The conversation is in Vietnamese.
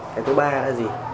cái thứ ba là gì